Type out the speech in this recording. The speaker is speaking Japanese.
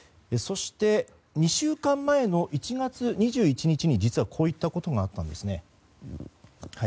そして、２週間前の１月２１日に実は、こういったことがあったんですね。